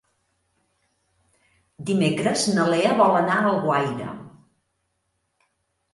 Dimecres na Lea vol anar a Alguaire.